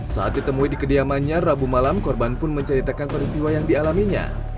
saat ditemui di kediamannya rabu malam korban pun menceritakan peristiwa yang dialaminya